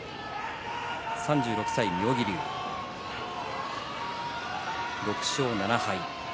３６歳の妙義龍、６勝７敗。